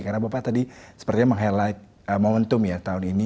karena bapak tadi sepertinya meng highlight momentum ya tahun ini